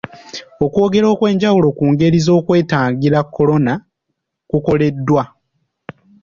Okwogera okw'enjawulo ku ngeri z'okwetangira kolona kukoleddwa.